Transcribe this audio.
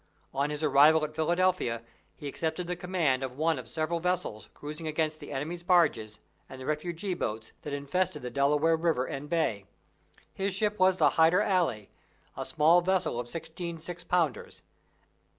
On his arrival at Philadelphia, he accepted the command of one of several vessels, cruising against the enemies' barges, and the refugee boats, that infested the Delaware River and Bay. His ship was the Hyder Ally, a small vessel of sixteen six pounders.